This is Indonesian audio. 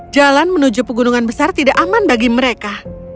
jalan menuju pegunungan besar tidak aman bagi mereka